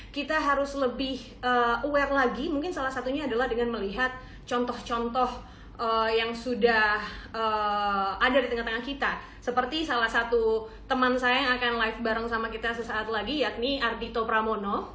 kita harus lebih aware lagi mungkin salah satunya adalah dengan melihat contoh contoh yang sudah ada di tengah tengah kita seperti salah satu teman saya yang akan live bareng sama kita sesaat lagi yakni ardhito pramono